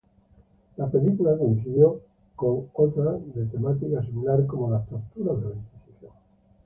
La película coincidió con otras de temática similar como "Las torturas de la inquisición".